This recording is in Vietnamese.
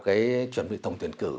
cái chuẩn bị tổng tuyển cử